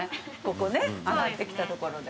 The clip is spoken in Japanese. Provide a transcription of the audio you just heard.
ここね上がってきたところで。